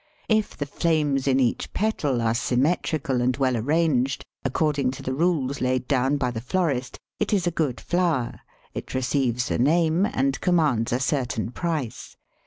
If the flames in each petal are symmetrical and well arranged, according to the rules laid down by the florist, it is a good flower; it receives a name, and commands a certain price.